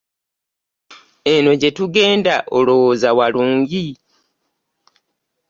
Eno gye tugenda olowooza walungi?